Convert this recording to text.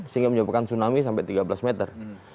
sehingga menyebabkan tsunami sampai tiga belas meter